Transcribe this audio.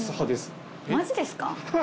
マジですか？